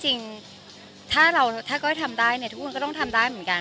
จริงถ้าก้อยทำได้ทุกคนก็ต้องทำได้เหมือนกัน